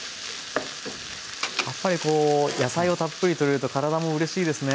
やっぱりこう野菜をたっぷりとれると体もうれしいですね。